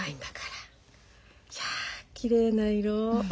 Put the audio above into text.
いやきれいな色。